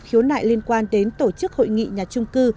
khiếu nại liên quan đến tổ chức hội nghị nhà trung cư